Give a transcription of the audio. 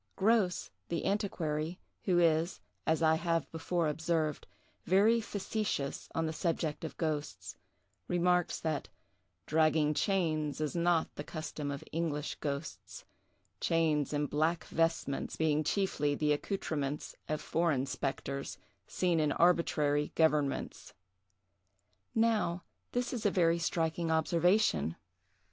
Grose, the antiquary, who is, as I have before observed, very facetious on the subject of ghosts, remarks that "Dragging chains is not the custom of English ghosts, chains and black vestments being chiefly the accoutrements of foreign spectres, seen in arbitrary governments." Now, this is a very striking observation.